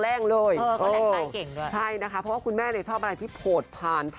แรงเลยใครอย่างกว่าพอคุณแม่ชอบเรือแรง